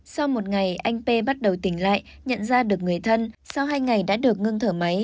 sau một ngày anh p bắt đầu tỉnh lại nhận ra được người thân sau hai ngày đã được ngưng thở máy